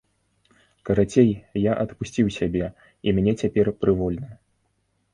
Карацей, я адпусціў сябе і мне цяпер прывольна.